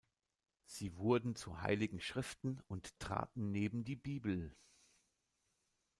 Sie wurden zu heiligen Schriften und traten neben die Bibel.